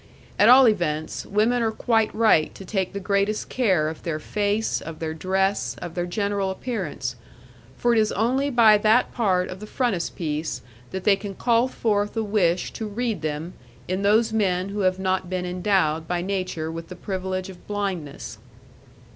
At all events, women are quite right to take the greatest care of their face, of their dress, of their general appearance; for it is only by that part of the frontispiece that they can call forth a wish to read them in those men who have not been endowed by nature with the privilege of blindness.